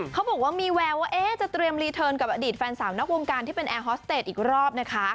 เขาบอกว่ามีแววว่าจะเตรียมรีเทิร์นกับอดีตแฟนสาวนอกวงการที่เป็นแอร์ฮอสเตจอีกรอบนะคะ